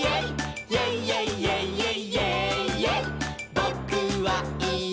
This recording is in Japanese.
「ぼ・く・は・い・え！